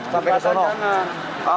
sampai ke sana